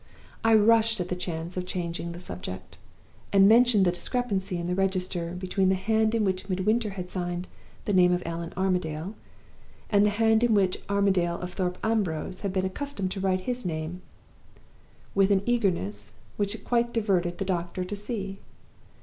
I rushed at the chance of changing the subject, and mentioned the discrepancy in the register between the hand in which Midwinter had signed the name of Allan Armadale, and the hand in which Armadale of Thorpe Ambrose had been accustomed to write his name, with an eagerness which it quite diverted the doctor to see.